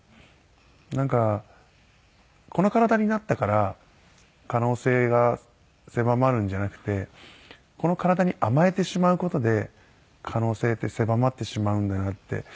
なんかこの体になったから可能性が狭まるんじゃなくてこの体に甘えてしまう事で可能性って狭まってしまうんだなって。